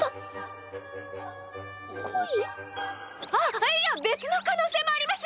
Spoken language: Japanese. あっいや別の可能性もあります！